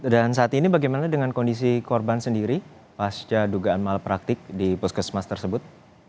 dan saat ini bagaimana dengan kondisi korban sendiri pasca dugaan malapraktik di puskesmas tersebut